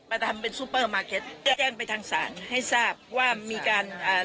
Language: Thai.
ทำเป็นซูเปอร์มาร์เก็ตก็แจ้งไปทางศาลให้ทราบว่ามีการอ่า